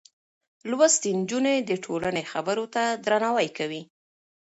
لوستې نجونې د ټولنې خبرو ته درناوی کوي.